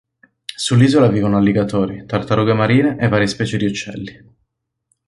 Sull'isola vivono alligatori, tartarughe marine e varie specie di uccelli.